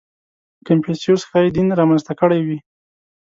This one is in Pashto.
• کنفوسیوس ښایي دین را منځته کړی وي.